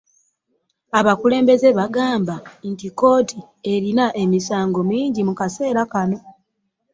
Abakulembeze bagamba nti kooti erina emisango mingi mu kaseera kano.